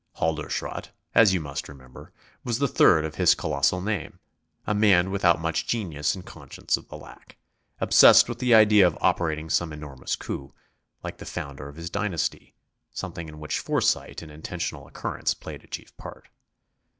Halderschrodt, as you must remember, was the third of his colossal name, a man without much genius and conscious of the lack, obsessed with the idea of operating some enormous coup, like the founder of his dynasty, something in which foresight in international occurrence played a chief part.